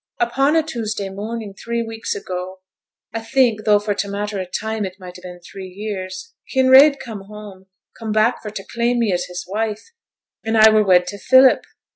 'Upon a Tuesday morning, three weeks ago, I think, tho' for t' matter o' time it might ha' been three years, Kinraid come home; come back for t' claim me as his wife, and I were wed to Philip!